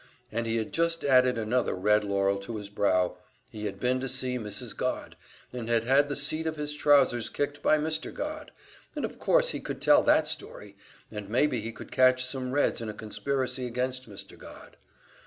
And he had just added another Red laurel to his brow he had been to see Mrs. Godd, and had had the seat of his trousers kicked by Mr. Godd, and of course he could tell that story, and maybe he could catch some Reds in a conspiracy against Mr. Godd.